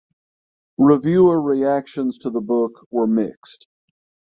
Reviewer reactions to the book were mixed.